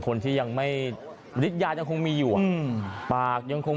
คนที่ยังไม่ฤทยายังคงมีอยู่อ่ะอืมปากยังคง